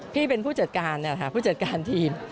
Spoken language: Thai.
พี่เป็นผู้จัดการผู้จัดการทีม